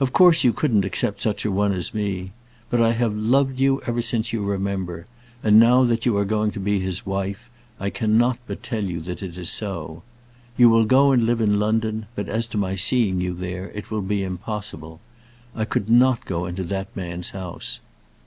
Of course you couldn't accept such a one as me. But I have loved you ever since you remember; and now that you are going to be his wife, I cannot but tell you that it is so. You will go and live in London; but as to my seeing you there, it will be impossible. I could not go into that man's house."